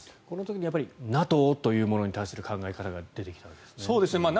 この時にＮＡＴＯというのものに対する考えが出てきたんですね。